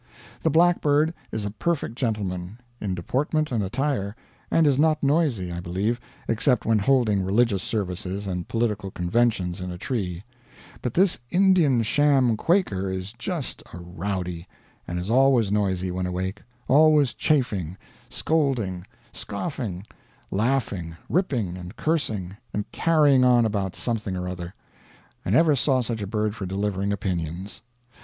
The blackbird is a perfect gentleman, in deportment and attire, and is not noisy, I believe, except when holding religious services and political conventions in a tree; but this Indian sham Quaker is just a rowdy, and is always noisy when awake always chaffing, scolding, scoffing, laughing, ripping, and cursing, and carrying on about something or other. I never saw such a bird for delivering opinions.